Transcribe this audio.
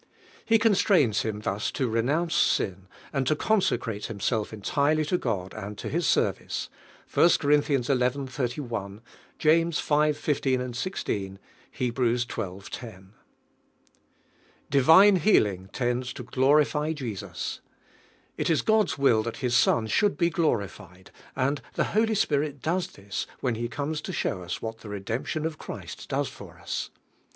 He constrains him thus to renounce sin, anil to consecrate himself entirely to God and to His service (I. Cor. ri. 31; James v. 15, 16; Heb. xii. in). Divine healing tends to glorify Jesu s, ft is Coil's will iluil His Son should be glorified, and the Holy Spirit does this when He comes to show us what the re demption of Christ does for us.